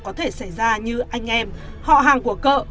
có thể xảy ra như anh em họ hàng của cậ